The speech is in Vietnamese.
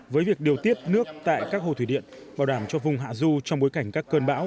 với việc điều tiết nước tại các hồ thủy điện bảo đảm cho vùng hạ du trong bối cảnh các cơn bão